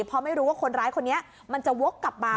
เพราะไม่รู้ว่าคนร้ายคนนี้มันจะวกกลับมา